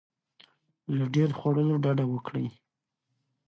له ډیر خوړلو ډډه وکړئ.